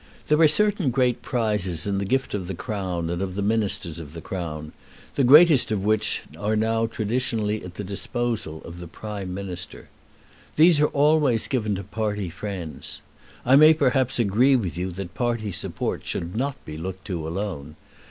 There are certain great prizes in the gift of the Crown and of the Ministers of the Crown, the greatest of which are now traditionally at the disposal of the Prime Minister. These are always given to party friends. I may perhaps agree with you that party support should not be looked to alone.